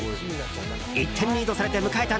１点リードされて迎えた